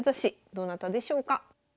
どなたでしょうか。